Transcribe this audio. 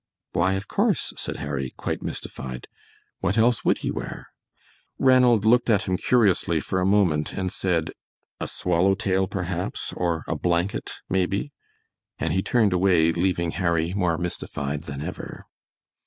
"Why, of course," said Harry, quite mystified, "what else would he wear?" Ranald looked at him curiously for a moment, and said: "A swallow tail, perhaps, or a blanket, maybe," and he turned away leaving Harry more mystified than ever.